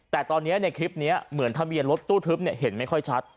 แต่ตอนนี้ในคลิปนี้เหมือนทะเบียนรถตู้ทึบเห็นไม่ค่อยชัด